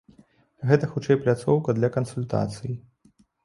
Гэта хутчэй пляцоўка для кансультацый.